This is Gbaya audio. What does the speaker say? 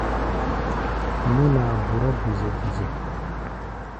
Nú-laa burá buzɛ-buzɛ.